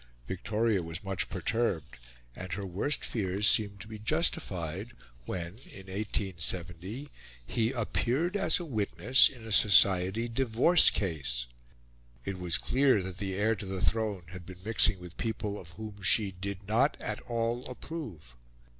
Victoria was much perturbed, and her worst fears seemed to be justified when in 1870 he appeared as a witness in a society divorce case. It was clear that the heir to the throne had been mixing with people of whom she did not at all approve.